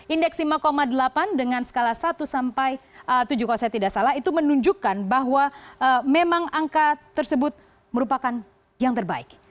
indeks lima delapan dengan skala satu sampai tujuh kalau saya tidak salah itu menunjukkan bahwa memang angka tersebut merupakan yang terbaik